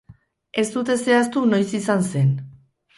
Ez dute zehaztu noiz izan zen.